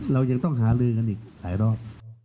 เรายังต้องหาลือกันอีกหลายรอบ